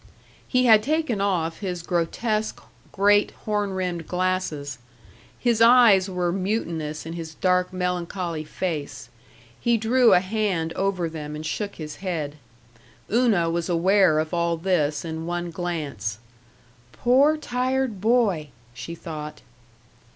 He had taken off his grotesque, great horn rimmed glasses. His eyes were mutinous in his dark melancholy face; he drew a hand over them and shook his head. Una was aware of all this in one glance. "Poor, tired boy!" she thought.